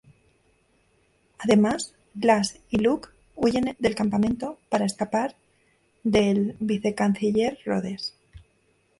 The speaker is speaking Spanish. Además, Glass y Luke huyen del campamento para escapar del Vice Canciller Rhodes.